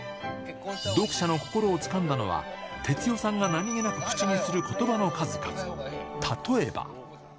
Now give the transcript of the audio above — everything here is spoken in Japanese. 読者の心をつかんだのは、哲代さんが何気なく口にすることばの数々、例えば。